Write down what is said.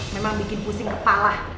memang bikin pusing kepala